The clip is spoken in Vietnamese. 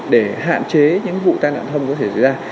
để hạn chế những vụ tai nạn thông có thể xảy ra